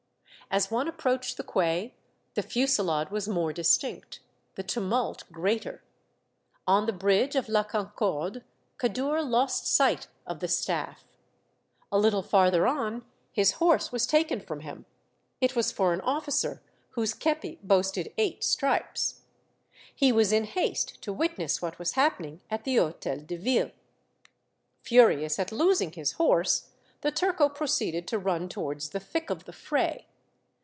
As one approached the quay the fusillade was more distinct, the tumult greater. On the bridge of La Concorde, Kadour lost sight of the staf.'. A little farther on, his horse was taken from hin:. It was for an officer whose kepi boasted eight stripes. He was in haste to witness what was hap pening at the Hotel de Ville. Furious at losing his horse, the turco proceeded to run towards the thick of the fray.